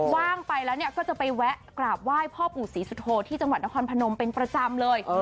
ว่างไปแล้วเนี่ยก็จะไปแวะกราบไหว้พ่อปู่ศรีสุโธที่จังหวัดนครพนมเป็นประจำเลย